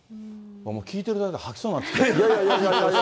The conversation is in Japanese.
聞いてるだけで吐きそうになってきた。